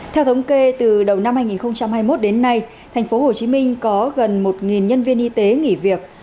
theo thống kê từ đầu năm hai nghìn hai mươi một đến nay tp hcm có gần một nhân viên y tế nghỉ việc